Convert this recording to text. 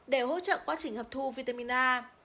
để hỗ trợ quá trình hợp thu vitamin a